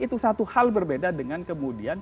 itu satu hal berbeda dengan kemudian